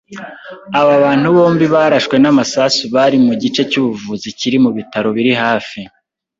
Aba bantu bombi barashwe n’amasasu bari mu gice cy’ubuvuzi kiri mu bitaro biri hafi.